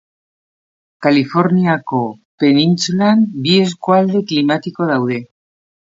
Kaliforniako penintsulan bi eskualde klimatiko daude.